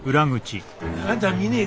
あんた見ねえ